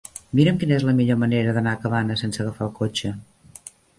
Mira'm quina és la millor manera d'anar a Cabanes sense agafar el cotxe.